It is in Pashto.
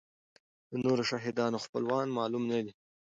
د نورو شهیدانو خپلوان معلوم نه دي.